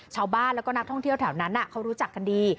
ชาวบ้านแล้วก็นักท่องเที่ยวแถวนั้นเขารู้จักกันดี